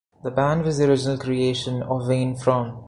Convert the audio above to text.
The band was the original creation of Wayne Fromm.